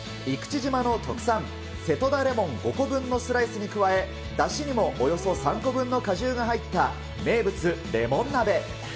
生口島の特産、瀬戸田レモン５個分のスライスに加え、だしにもおよそ３個分の果汁が入った名物レモン鍋。